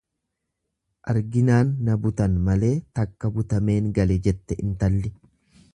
Arginaan na butan malee takka butameen gale jette intalli.